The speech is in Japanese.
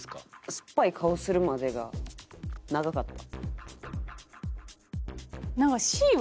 酸っぱい顔するまでが長かった。